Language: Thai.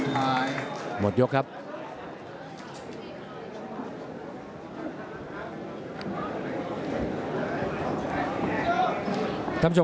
สุภาษณ์อัศวินาฬิกาศาสุภาษณ์